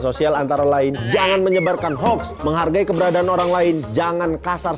sosial antara lain jangan menyebarkan hoax menghargai keberadaan orang lain jangan kasar